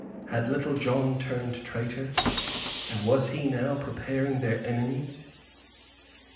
Had Little John turned traitor? And was he now preparing their enemies?